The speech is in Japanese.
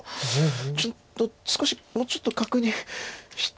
ちょっと少しもうちょっと確認。